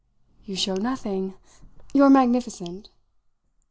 "You show nothing! You're magnificent."